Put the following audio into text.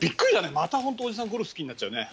またおじさんゴルフ、好きになっちゃうね。